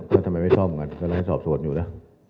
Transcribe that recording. ก็ทำไมไม่ซ่อมกันแต่มันให้สอบส่วนอยู่นะ